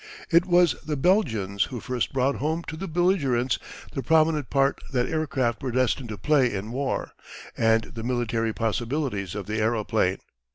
It was the Belgians who first brought home to the belligerents the prominent part that aircraft were destined to play in war, and the military possibilities of the aeroplane.